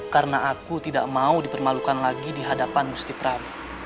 karena aku tidak mau dipermalukan lagi di hadapan musti prawi